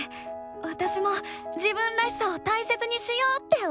わたしも「自分らしさ」を大切にしようって思ったよ！